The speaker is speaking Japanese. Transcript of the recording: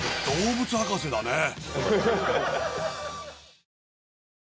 動物博士だね。